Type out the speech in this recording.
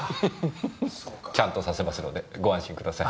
ちゃんとさせますのでご安心ください。